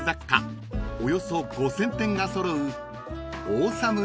およそ５，０００点が揃う］